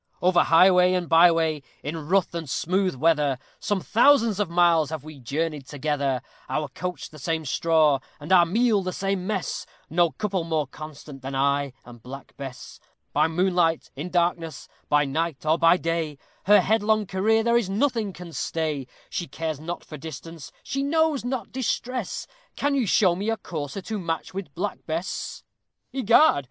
Over highway and by way, in rough and smooth weather, Some thousands of miles have we journeyed together; Our couch the same straw, and our meal the same mess No couple more constant than I and Black Bess. By moonlight, in darkness, by night, or by day, Her headlong career there is nothing can stay; She cares not for distance, she knows not distress: Can you show me a courser to match with Black Bess? "Egad!